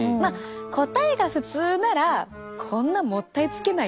答えが普通ならこんなもったいつけないよね。